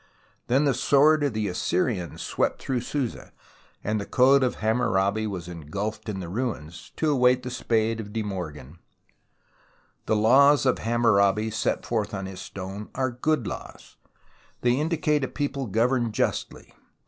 Then the sword of the Assyrians swept through Susa, and the code of Hammurabi was 158 THE ROMANCE OF EXCAVATION engulfed in the ruins, to await the spade of de Morgan. The laws of Hammurabi set forth on his stone are good laws, and they indicate a people governed justly.